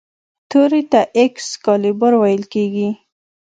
تورې ته ایکس کالیبور ویل کیدل.